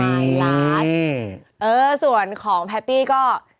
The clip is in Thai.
เออส่วนของแพตตี้ก็